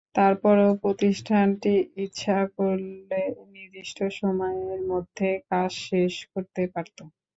তারপরও প্রতিষ্ঠানটি ইচ্ছা করলে নির্দিষ্ট সময়ের মধ্যে কাজ শেষ করতে পারত।